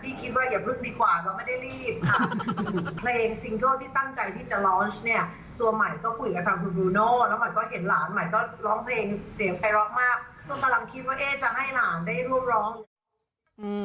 พี่คิดว่าอย่าพึ่งดีกว่าก็ไม่ได้รีบค่ะ